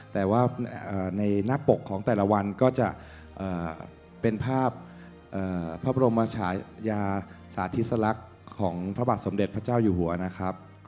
แต่ว่าในหน้าปกของแต่ละวันก็จะเป็นภาพพระบรมชายาสาธิสลักษณ์ของพระบาทสมเด็จพระเจ้าอยู่หัวนะครับ